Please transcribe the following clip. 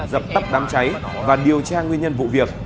dập tắp đám cháy và điều tra nguyên nhân vụ việc